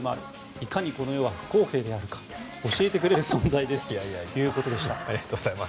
いかにこの世は不公平であるか教えてくれる存在ですということでした。